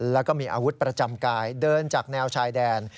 แล้วก็มีอาวุธประจำกายเดินจากแนวชายแดน